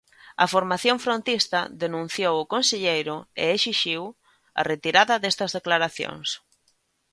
A formación frontista denunciou o conselleiro e exixiu a retirada destas declaracións.